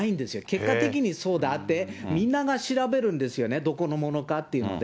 結果的にそうであって、みんなが調べるんですよね、どこのものかっていうので。